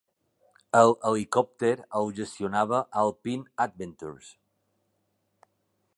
El helicòpter el gestionava Alpine Adventures.